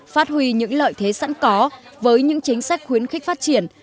phát huy những lợi thế sẵn có với những chính sách khuyến khích phát triển